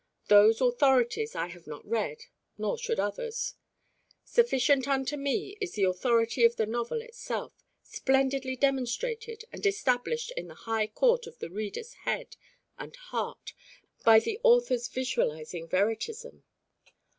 Those authorities I have not read, nor should others. Sufficient unto me is the authority of the novel itself splendidly demonstrated and established in the high court of the reader's head and heart by the author's visualizing veritism.